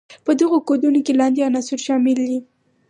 په دغو کودونو کې لاندې عناصر شامل دي.